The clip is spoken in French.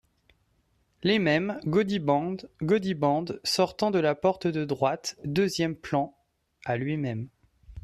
Les Mêmes, Gaudiband Gaudiband , sortant de la porte de droite, deuxième plan ; à lui-même.